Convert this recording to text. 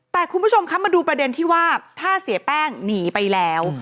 แต่คุณผู้ชมคะมาดูประเด็นที่ว่าถ้าเสียแป้งหนีไปแล้ว